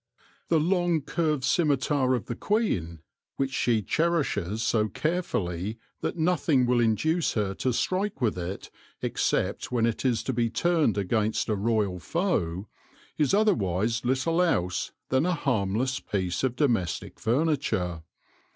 The long curved scimitar of the queen, which she cherishes so carefully that nothing will induce her to strike with it except when it is to be turned against a royal foe, is otherwise little else than a harmless piece of domestic furniture.